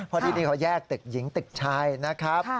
พอดีนี้เขาแยกตึกหญิงตึกชายนะครับ